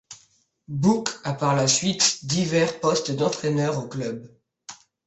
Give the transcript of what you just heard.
Book a par la suite divers postes d'entraîneur au club.